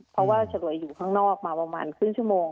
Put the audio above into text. เพราะว่าเฉลวยอยู่ข้างนอกมาประมาณครึ่งชั่วโมง